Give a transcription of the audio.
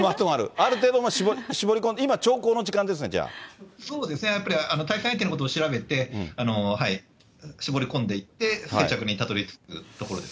ある程度は絞り込んで、そうですね、やっぱり対戦相手のことを調べて、絞り込んでいってにたどりつくところです。